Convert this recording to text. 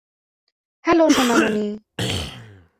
Hello, Sonamoni.